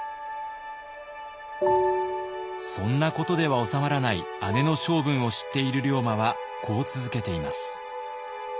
そんなことではおさまらない姉の性分を知っている龍馬はこう続けています。